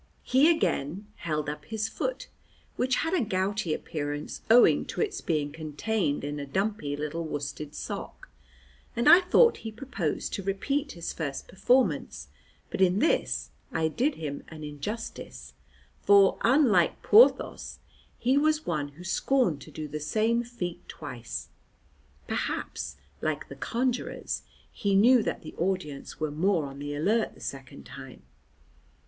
He again held up his foot, which had a gouty appearance owing to its being contained in a dumpy little worsted sock, and I thought he proposed to repeat his first performance, but in this I did him an injustice, for, unlike Porthos, he was one who scorned to do the same feat twice; perhaps, like the conjurors, he knew that the audience were more on the alert the second time.